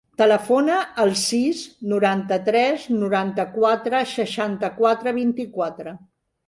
Telefona al sis, noranta-tres, noranta-quatre, seixanta-quatre, vint-i-quatre.